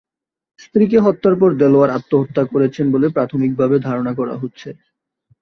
স্ত্রীকে হত্যার পর দেলোয়ার আত্মহত্যা করেছেন বলে প্রাথমিকভাবে ধারণা করা হচ্ছে।